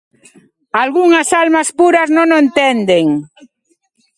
Algunhas almas puras non o entenden.